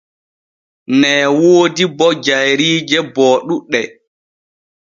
Nee woodi bo jayriije booɗuɗe.